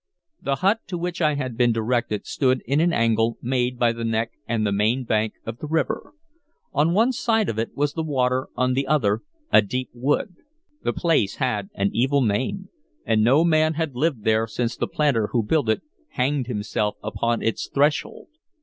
The hut to which I had been directed stood in an angle made by the neck and the main bank of the river. On one side of it was the water, on the other a deep wood. The place had an evil name, and no man had lived there since the planter who had built it hanged himself upon its threshold.